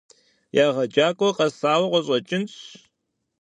ЕгъэджакӀуэр къэсауэ къыщӀэкӀынщ.